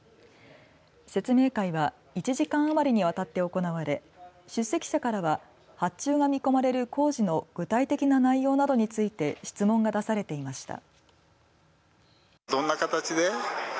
説明会は１時間余りにわたって行われ出席者からは発注が見込まれる工事の具体的な内容などについて質問が出されていました。